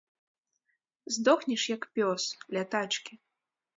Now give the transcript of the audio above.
Здохнеш, як пёс, ля тачкі!